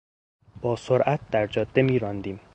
با سرعت در جاده میراندیم.